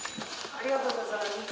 ありがとうございます。